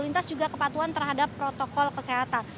lalu lintas juga kepatuhan terhadap protokol kesehatan